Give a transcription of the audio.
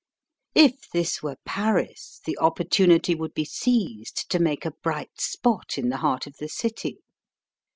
If this were Paris the oppor tunity would be seized to make a bright spot in the heart of the city.